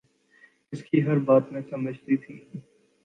اس کی ہر بات میں سمجھتی تھی